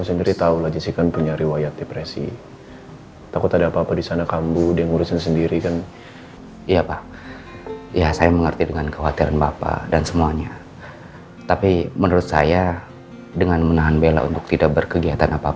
red therapy setidaknya di beberapa bulan saja